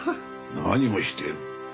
何をしている。